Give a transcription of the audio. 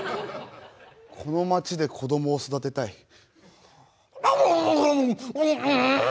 この町で子供を育てたい。